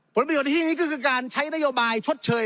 ผลประโยชน์ในที่นี้ก็คือการใช้นโยบายชดเชย